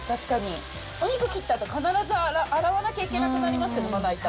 お肉切ったあと、洗わなきゃいけなくなりますよね、まな板。